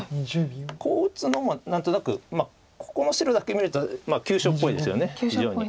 こう打つのも何となくここの白だけ見ると急所っぽいですよね非常に。